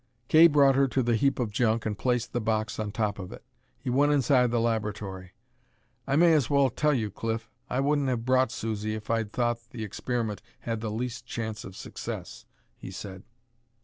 Kay brought her to the heap of junk and placed the box on top of it. He went inside the laboratory. "I may as well tell you, Cliff. I wouldn't have brought Susie if I'd thought the experiment had the least chance of success," he said.